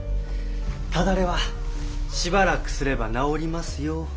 ただれはしばらくすれば治りますよ。